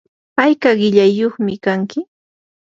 ¿ayka qillayyuqmi kanki?